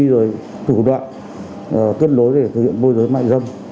rồi thủ đoạn tuyên lối